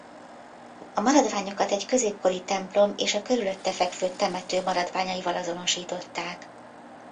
A maradványokat egy középkori templom és a körülötte fekvő temető maradványaival azonosították.